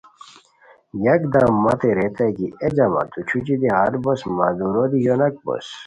یکدم متے ریتائے کی اے جوان تو چھوچی دی ہال بوس مہ دُورو دی ژانک بوس